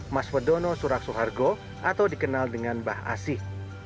mas fedono surak sohargo atau dikenal dengan bah asih